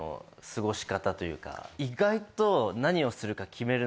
意外と。